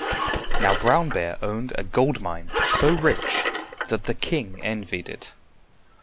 Now Brown Bear owned a gold mine so rich that the king envied it.